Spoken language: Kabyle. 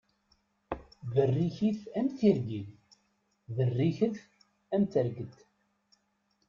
Berrikit am tirgin, berriket am terget.